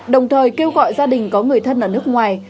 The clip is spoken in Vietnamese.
đồng thời kêu gọi gia đình có người thân ở nước ngoài